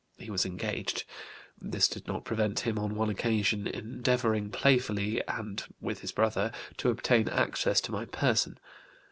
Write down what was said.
He was engaged. This did not prevent him on one occasion endeavoring playfully and with his brother to obtain access to my person.